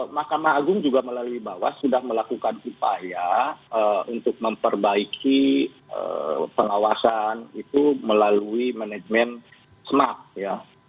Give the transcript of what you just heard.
mahkamah agung juga melalui bawah sudah melakukan upaya untuk memperbaiki pengawasan itu melalui manajemen smart ya